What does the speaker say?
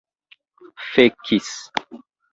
fekis